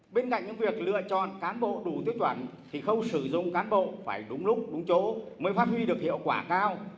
bên cạnh những việc lựa chọn cán bộ đủ tiết toán thì không sử dụng cán bộ phải đúng lúc đúng chỗ mới phát huy được hiệu quả cao